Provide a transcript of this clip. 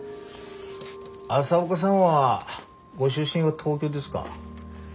朝岡さんはご出身は東京ですか？